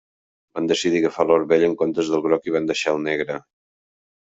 Van decidir agafar l'or vell en comptes del groc, i van deixar el negre.